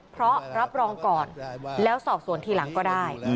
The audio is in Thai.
เพราะรับรองก่อนแล้วสอบสวนทีหลังก็ได้